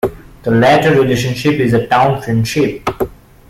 The latter relationship is a "town friendship".